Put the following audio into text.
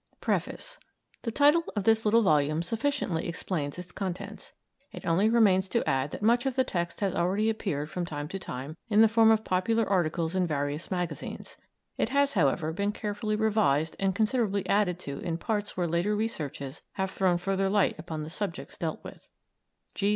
PREFACE The title of this little volume sufficiently explains its contents; it only remains to add that much of the text has already appeared from time to time in the form of popular articles in various magazines. It has, however, been carefully revised and considerably added to in parts where later researches have thrown further light upon the subjects dealt with.